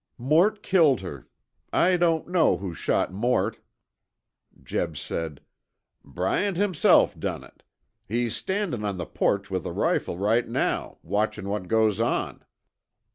"Mort killed her. I don't know who shot Mort." Jeb said, "Bryant himself done it. He's standin' on the porch with a rifle right now, watchin' what goes on."